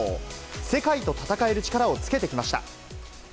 世界と戦える力をつけてきました。